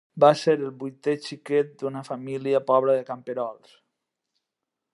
Va ser el vuitè xiquet d'una família pobra de camperols.